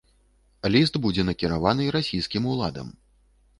Ліст будзе накіраваны расійскім уладам.